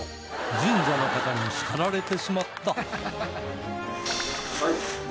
神社の方に叱られてしまった